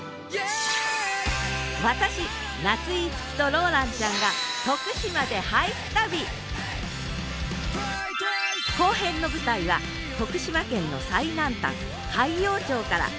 私夏井いつきとローランちゃんが後編の舞台は徳島県の最南端海陽町から。